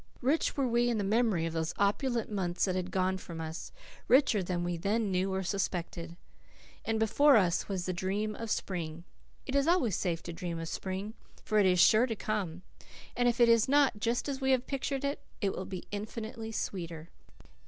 Rich were we in the memory of those opulent months that had gone from us richer than we then knew or suspected. And before us was the dream of spring. It is always safe to dream of spring. For it is sure to come; and if it be not just as we have pictured it, it will be infinitely sweeter.